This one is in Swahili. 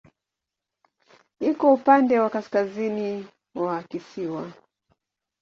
Iko upande wa kaskazini wa kisiwa.